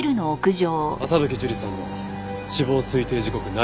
朝吹樹里さんの死亡推定時刻内です。